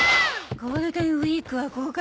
ゴールデンウィークは５月。